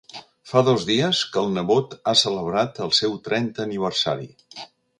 Fa dos dies que el nebot ha celebrat el seu trenta aniversari.